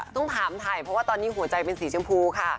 ต้องถามถ่ายเพราะว่าตอนนี้หัวใจเป็นสีชมพูค่ะ